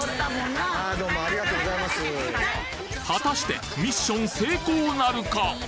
はたしてミッション成功なるか？